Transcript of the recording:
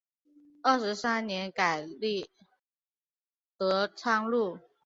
二十三年改隶德昌路。